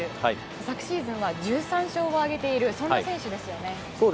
昨シーズンは１３勝を挙げている選手ですよね。